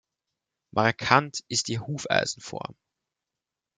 Markant ist die Hufeisenform.